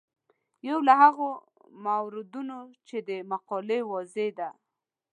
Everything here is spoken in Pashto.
یو له هغو موردونو چې د مقالې موضوع ده.